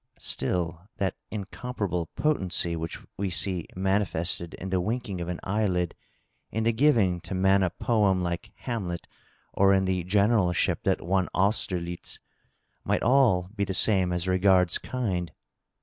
Still, that incomparable potency which we see manifested in the wink ing of an eyelid, in the giving to man a poem like " Hamlet,^^ or in the generalship that won Austerlitz, might all be the same as regards kind.